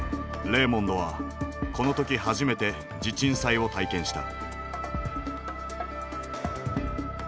レーモンドはこの時初めて地鎮祭を体験した。